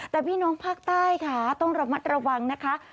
แต่พี่น้องภาคใต้ค่ะต้องระมัดระวังนะคะ